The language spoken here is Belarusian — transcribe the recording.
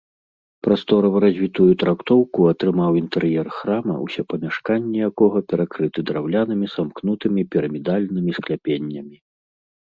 Прасторава развітую трактоўку атрымаў інтэр'ер храма, усе памяшканні якога перакрыты драўлянымі самкнутымі пірамідальнымі скляпеннямі.